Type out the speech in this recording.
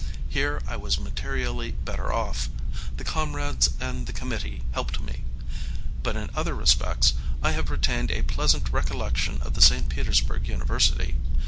Here I was materially better off. The comrades and the * committee' helped me. But in other respects I have retained a pleasant recollection of the St. Petersburg University.